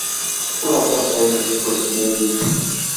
Ur aṭas aya seg wasmi ay yezwej.